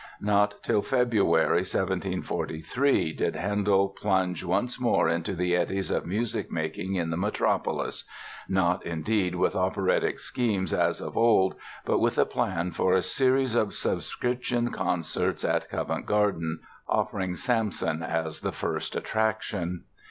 Not till February, 1743, did Handel plunge once more into the eddies of music making in the metropolis—not, indeed, with operatic schemes as of old but with a plan for a series of subscription concerts at Covent Garden, offering "Samson" as the first attraction.